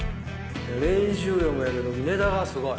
練習量もやけどネタがすごい。